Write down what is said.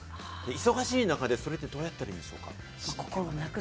忙しい中でそれってどうやったらいいんでしょうか？